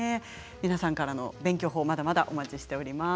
皆さんからの勉強法まだまだお待ちしています。